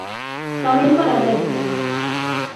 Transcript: Tamén para Grecia.